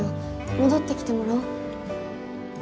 戻ってきてもらおう。